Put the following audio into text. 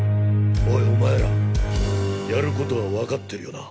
おいお前らやることは分かってるよな？